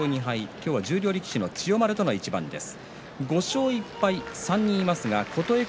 今日は十両力士の千代丸との対戦です。